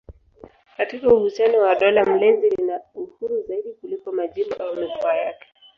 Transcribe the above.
Katika uhusiano na dola mlezi lina uhuru zaidi kuliko majimbo au mikoa yake.